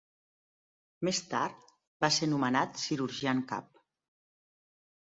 Més tard va ser nomenat cirurgià en cap.